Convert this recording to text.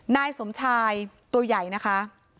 นายสมชายตัวใหญ่นะคะ